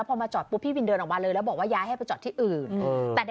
พอมาจอดปุ๊บพี่วินเดินออกมาเลยแล้วบอกว่าย้ายให้ไปจอดที่อื่น